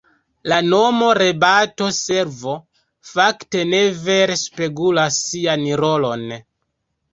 La nomo "Rebato-Servo" fakte ne vere spegulas sian rolon.